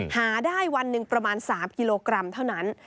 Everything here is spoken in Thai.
หาได้วันหนึ่งประมาณ๓กิโลกรัมเท่านั้น